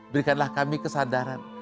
berikanlah kami kesadaran